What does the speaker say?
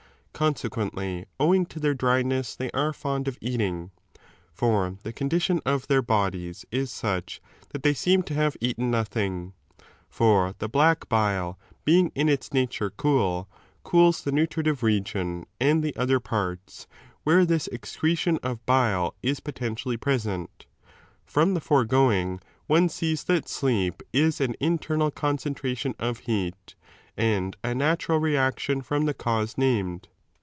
Consequently owing to their dryness they are fond of eating. For the condition of their bodies is such that they seem to have eaten nothing. For the black bile, 18 being in its nature cool, cools the nutritive region and the other parts, where this excretion of bile is potentially present From the foregoing, one sees that sleep is an 457^ internal concentration of heat and a natural reaction from the cause named.